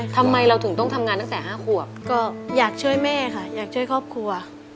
ทำไมเราถึงต้องทำงานตั้งแต่๕ขวบก็อยากช่วยแม่ค่ะอยากช่วยครอบครัว